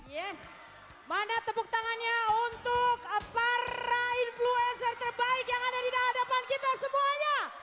yes mana tepuk tangannya untuk para influencer terbaik yang ada di hadapan kita semuanya